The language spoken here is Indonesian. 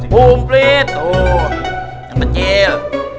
bumplit tuh yang kecil